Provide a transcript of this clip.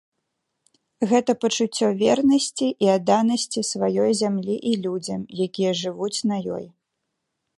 Гэта пачуццё вернасці і адданасці сваёй зямлі і людзям, якія жывуць на ёй.